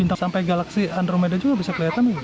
pintang sampai galaksi andromeda juga bisa kelihatan